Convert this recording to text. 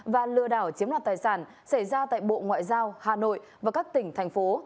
và lừa đảo chiếm đoạt tài sản xảy ra tại bộ ngoại giao hà nội và các tỉnh thành phố